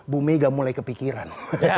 bu mega mulai kepikiran